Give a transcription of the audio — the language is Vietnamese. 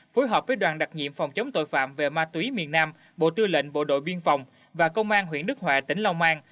phối hợp với đoàn đặc nhiệm phòng chống tội phạm về ma túy miền nam bộ tư lệnh bộ đội biên phòng và công an huyện đức hòa tỉnh long an